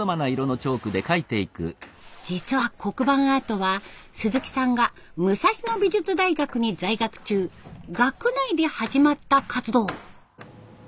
実は黒板アートはすずきさんが武蔵野美術大学に在学中学内で始まった活動。